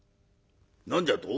「何じゃと？